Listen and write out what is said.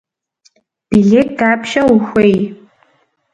Билет дапщэ ухуей?